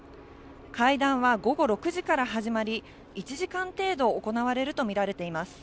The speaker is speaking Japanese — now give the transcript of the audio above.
会談は午後６時から始まり、１時間程度行われると見られています。